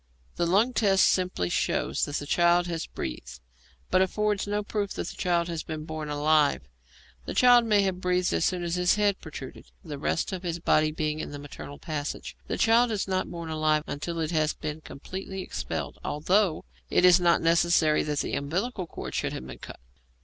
The lung test simply shows that the child has breathed, but affords no proof that the child has been born alive. The child may have breathed as soon as its head protruded, the rest of the body being in the maternal passages. The child is not born alive until it has been completely expelled, although it is not necessary that the umbilical cord should have been cut.